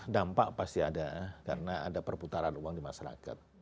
dampak pasti ada karena ada perputaran uang di masyarakat